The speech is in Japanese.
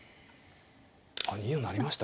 あっ２四成りました。